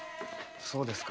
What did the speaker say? そうですか。